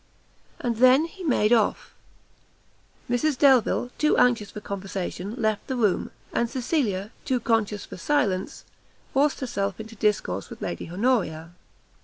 And then he made off. Mrs Delvile, too anxious for conversation, left the room, and Cecilia, too conscious for silence, forced herself into discourse with Lady Honoria.